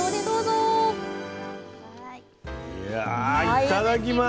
いただきます。